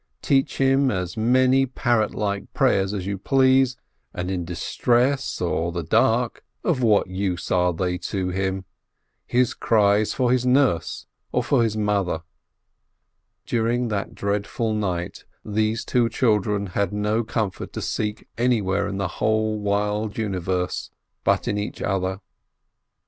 Teach him as many parrot like prayers as you please, and in distress or the dark of what use are they to him? His cry is for his nurse, or his mother. During that dreadful night these two children had no comfort to seek anywhere in the whole wide universe but in each other.